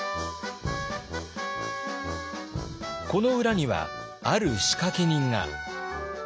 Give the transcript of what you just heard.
この裏にはある仕掛け人が。